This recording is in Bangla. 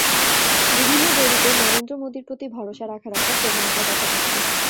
বিভিন্ন জরিপে নরেন্দ্র মোদির প্রতি ভরসা রাখার একটা প্রবণতা দেখা যাচ্ছে।